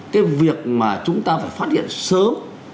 cái việc mà chúng ta phải phát hiện sớm